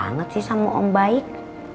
banget sih sama om baik